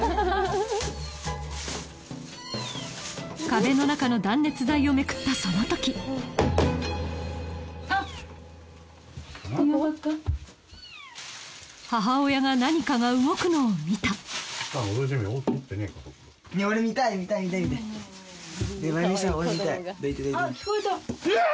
壁の中の断熱材をめくった母親が何かが動くのを見たあっ聞こえた。